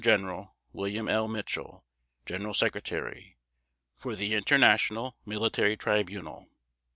Gen. William L. Mitchell, General Secretary. FOR THE INTERNATIONAL MILITARY TRIBUNAL.